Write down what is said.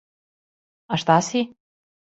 А шта си?